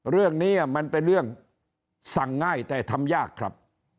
เรื่องนี้มันเป็นเรื่องสั่งง่ายแต่ทำยากครับ